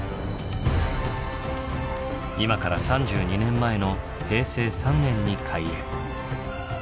今から３２年前の平成３年に開園。